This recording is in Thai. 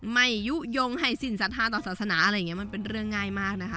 ไม่ยุโยงให้สินสัทธาต่อศาสนาอะไรอย่างนี้มันเป็นเรื่องง่ายมากนะคะ